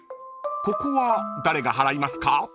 ［ここは誰が払いますか？］